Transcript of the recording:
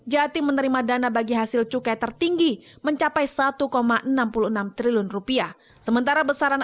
dua ribu dua puluh jati menerima dana bagi hasil cukai tertinggi mencapai satu enam puluh enam triliun rupiah sementara besaran